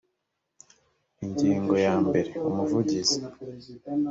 ingingo ya mbere: umuvugizi